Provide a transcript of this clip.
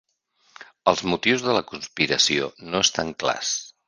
Els motius de la conspiració no estan clars.